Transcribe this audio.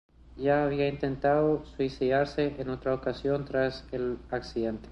Ya había intentado suicidarse en otra ocasión tras el accidente.